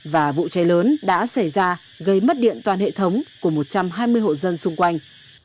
và vụ cháy lớn đã xảy ra gây mất điện toàn hệ thống của một trăm hai mươi hộ dân xung quanh